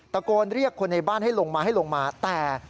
ตะโกนเรียกคนในบ้านให้ลงมาให้ลงมาแต่